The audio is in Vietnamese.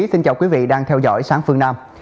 xin chào quý vị đang theo dõi sáng phương nam